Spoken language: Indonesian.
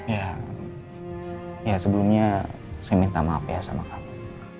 ya ya sebelumnya saya minta maaf ya sama kamu